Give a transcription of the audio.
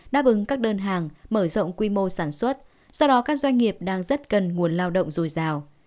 đáp ứng các đơn hàng mở rộng quy mô sản xuất do đó các doanh nghiệp đang rất cần nguồn lao động dồi dào